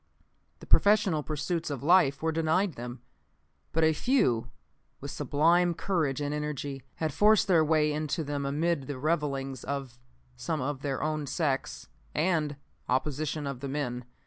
The professional pursuits of life were denied them. But a few, with sublime courage and energy, had forced their way into them amid the revilings of some of their own sex and opposition of the men.